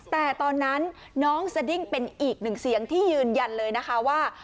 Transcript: แต่ตอนนั้นน้องสดิ้งเป็นอีกหนึ่งเสียงที่ยืนยันเลยนะคะว่า